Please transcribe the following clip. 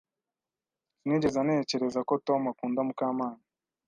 Sinigeze ntekereza ko Tom akunda Mukamana.